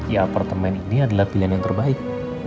ya apartemen ini adalah pilihan yang terbaik